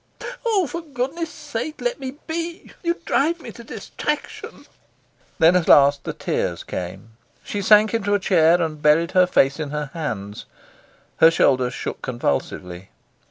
"Oh, for goodness sake, let me be. You drive me to distraction." Then at last the tears came. She sank into a chair, and buried her face in her hands. Her shoulders shook convulsively.